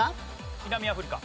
南アフリカ。